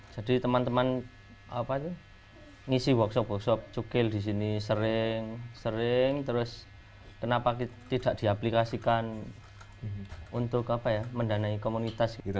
jadi teman teman ngisi workshop workshop cukil disini sering sering terus kenapa tidak diaplikasikan untuk mendanai komunitas